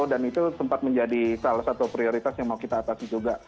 dan itu sempat menjadi salah satu prioritas yang mau kita atasi juga